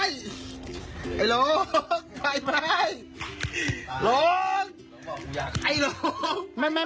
ไอ้ลงไฟไม้